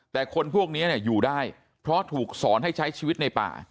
แต่คนพวกนี้อยู่ได้เพราะถูกสอนให้ใช้ชีวิตในป่า